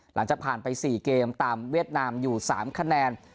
หลังจากผ่านไป๔เกมตามเวียดนามอยู่๓คะแนน